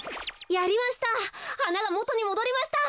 やりました。